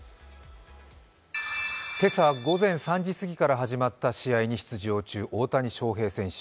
今朝午前３時すぎから始まった試合に出場中、大谷翔平選手